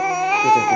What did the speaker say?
cuk cuk cuk sayang